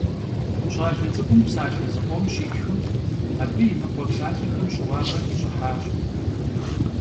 Ş'ale ts'ık'um psalhe zıkhom şitxım, abı yinıkhue psalhexem şıuağe xiş'ıhaş.